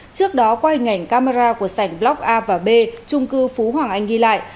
trước đó qua hình ảnh camera của sảnh block a và b trung cư phú hoàng anh ghi lại